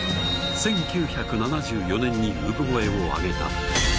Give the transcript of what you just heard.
１９７４年に産声を上げた。